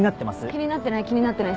気になってない気になってない。